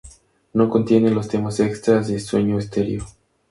No contiene los temas extras de "Sueño Stereo".